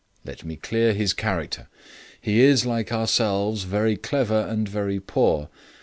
Let me clear his character. He is, like ourselves, very clever and very poor.